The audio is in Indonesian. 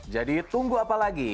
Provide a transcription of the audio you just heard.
jadi tunggu apa lagi